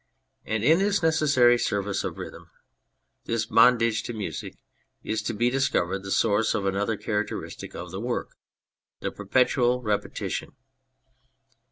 And in this necessary service of rhythm, this bondage to music, is to be discovered the source of another characteristic in the work : the perpetual repetition.